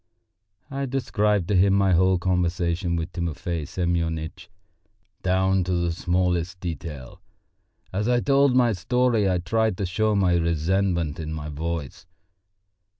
I described to him my whole conversation with Timofey Semyonitch down to the smallest detail. As I told my story I tried to show my resentment in my voice.